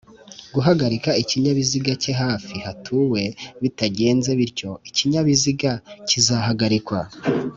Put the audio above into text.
guhagarika ikinyabiziga cye hafi hatuwe bitagenze bityo ikinyabiziga kizahagarikwa